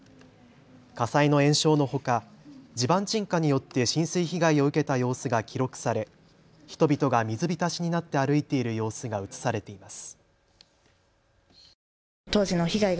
火災の延焼のほか地盤沈下によって浸水被害を受けた様子が記録され人々が水浸しになって歩いている様子が映されています。